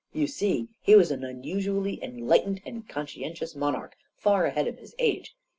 u You see he was an unusually enlightened and conscientious monarch, far ahead of his age.